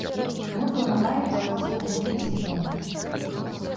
Мы планавалі паказ у гэтым сезоне.